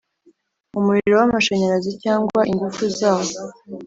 umuriro w amashanyarazi cyangwa ingufu zawo